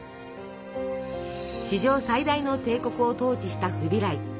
史上最大の帝国を統治したフビライ。